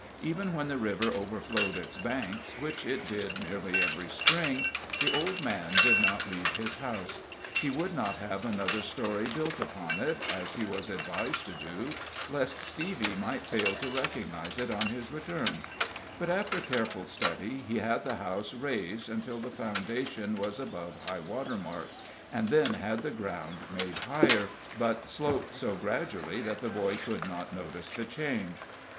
Even when the river overflowed its banks, which it did nearly every Spring, the old man did not leave his house. He would not have another story built upon it, as he was advised to do, lest Stevie might fail to recognize it on his return; but, after careful study, he had the house raised until the foundation was above high water mark, and then had the ground made higher, but sloped so gradually that the boy could not notice the change.